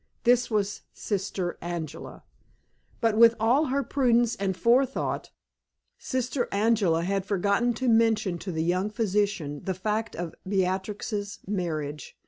This was Sister Angela. But with all her prudence and forethought, Sister Angela had forgotten to mention to the young physician the fact of Beatrix's marriage.